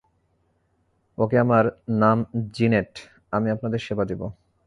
ওকে আমার নাম জিনেট, আমি আপনাদের সেবা দিবো।